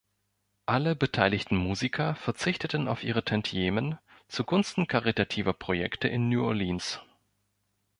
Alle beteiligten Musiker verzichteten auf ihre Tantiemen zugunsten karitativer Projekte in New Orleans.